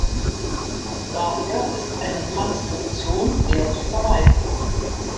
Daher ist eine Transkription eher zu vermeiden.